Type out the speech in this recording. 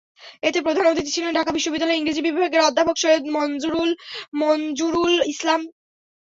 এতে প্রধান অতিথি ছিলেন ঢাকা বিশ্ববিদ্যালয়ের ইংরেজি বিভাগের অধ্যাপক সৈয়দ মনজুরুল ইসলাম।